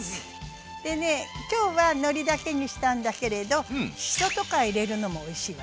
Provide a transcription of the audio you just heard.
でね今日はのりだけにしたんだけれどしそとか入れるのもおいしいわね。